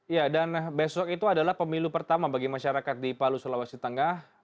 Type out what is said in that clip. ya dan besok itu adalah pemilu pertama bagi masyarakat di palu sulawesi tengah